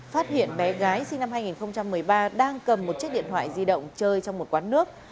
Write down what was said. phát hiện bé gái sinh năm hai nghìn một mươi ba đang cầm một chiếc điện thoại di động chơi trong một quán nước